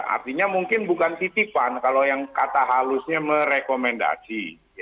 artinya mungkin bukan titipan kalau yang kata halusnya merekomendasi